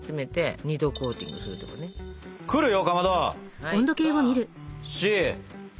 はい！